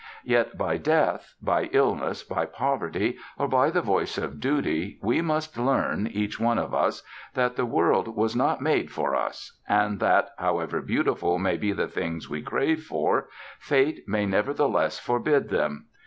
Yet, by death, by illness, by poverty, or by the voice of duty, we must learn, each one of us, that the world was not made for us, and that, however beautiful may be the things we crave for, Fate may nevertheless forbid them.